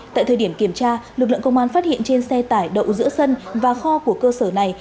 tại thời điểm kiểm tra lực lượng công an phát hiện trên xe tải đậu giữa sân và kho của cơ sở này